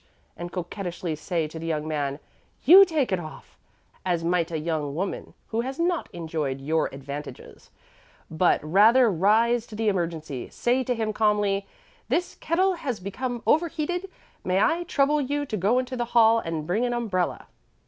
and coquettishly say to the young man, 'You take it off,' as might a young woman who has not enjoyed your advantages; but, rather, rise to the emergency; say to him calmly, 'This kettle has become over heated; may I trouble you to go into the hall and bring an umbrella?'